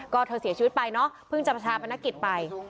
ก็เธอเสียชีวิตไปเนอะเพิ่งจะประชาปนักกิจไป